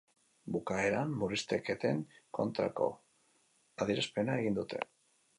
Bukaeran murrizketen kontrako adierazpena egin dute.